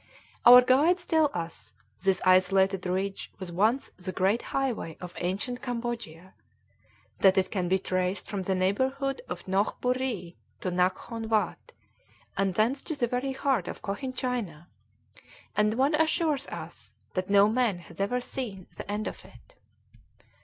Our guides tell us this isolated ridge was once the great highway of ancient Cambodia, that it can be traced from the neighborhood of Nohk Burree to Naghkon Watt, and thence to the very heart of Cochin China; and one assures us that no man has ever seen the end of it.